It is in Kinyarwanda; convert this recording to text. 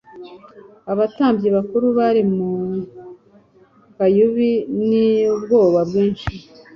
Abatambyi bakuru bari mu kayubi n'ubwoba bwinshi.